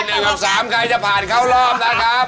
อยู่กับสามใครจะผ่านเข้ารอบนะครับ